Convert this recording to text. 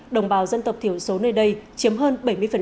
đồng bào dân tộc thiểu số nơi đây chiếm hơn bảy mươi